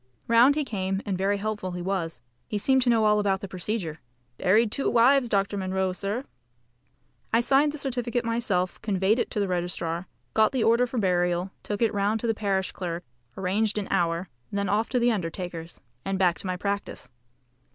Round he came, and very helpful he was. He seemed to know all about the procedure "Buried two wives, Dr. Munro, sir!" I signed the certificate myself, conveyed it to the registrar, got the order for burial, took it round to the parish clerk, arranged an hour, then off to the undertaker's, and back to my practice.